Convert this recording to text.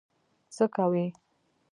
څه کوي.